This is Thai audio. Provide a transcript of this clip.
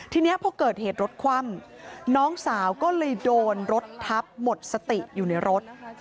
ทีนี้พอเกิดเหตุรถคว่ำน้องสาวก็เลยโดนรถทับหมดสติอยู่ในรถ